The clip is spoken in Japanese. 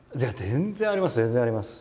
全然あります。